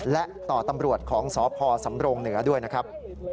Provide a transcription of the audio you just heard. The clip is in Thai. และต่อตำรวจของสพสำรงเหนือด้วยนะครับ